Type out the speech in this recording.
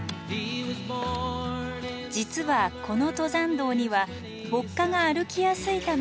実はこの登山道には歩荷が歩きやすいための工夫が。